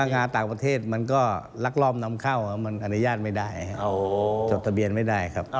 งานต่างประเทศมันก็ลักลอบนำเข้ามันอนุญาตไม่ได้จดทะเบียนไม่ได้ครับ